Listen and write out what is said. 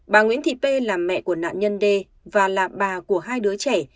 bà nguyễn thị p là mẹ của nạn nhân d và là bà của hai đứa trẻ